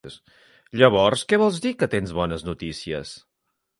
Llavors que vols dir que tens bones notícies?